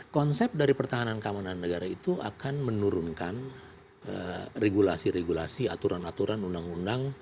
konsep dari pertahanan keamanan negara itu akan menurunkan regulasi regulasi aturan aturan undang undang